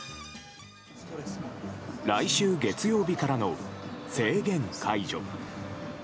来週月曜日からの制限解除。